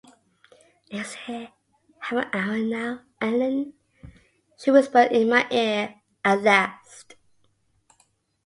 ‘Is it half-an-hour now, Ellen?’ she whispered in my ear, at last.